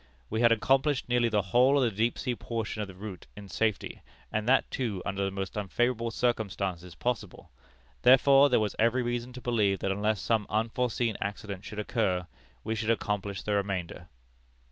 We had accomplished nearly the whole of the deep sea portion of the route in safety, and that, too, under the most unfavorable circumstances possible; therefore there was every reason to believe that unless some unforeseen accident should occur, we should accomplish the remainder.